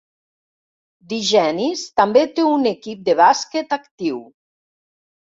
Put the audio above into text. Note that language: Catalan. Digenis també té un equip de bàsquet actiu.